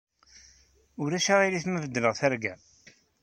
Ulac aɣilif ma beddleɣ targa?